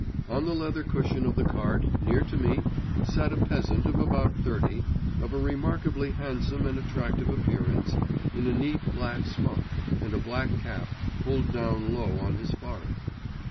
On the leather cushion of the cart, near to me, sat a peasant of about thirty, of a remarkably handsome and attractive appearance, in a neat black smock, and a black cap, pulled down low on his forehead.